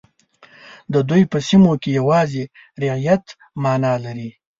د دوی په سیمو کې یوازې رعیت معنا لري.